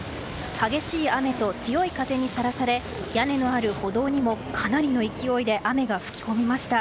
激しい雨と強い風にさらされ屋根のあるほどにもかなりの勢いで雨が吹き込みました。